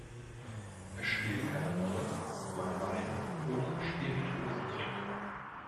Es spielt keine Rolle, ob man Wein oder Spirituosen trinkt.